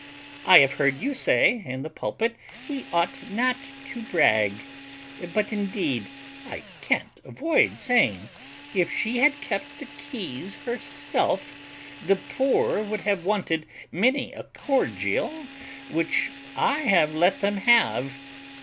I have heard you say in the pulpit we ought not to brag; but indeed I can't avoid saying, if she had kept the keys herself, the poor would have wanted many a cordial which I have let them have.